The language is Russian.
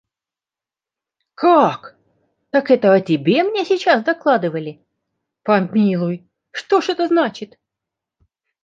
– Как! Так это о тебе мне сейчас докладывали? Помилуй! что ж это значит?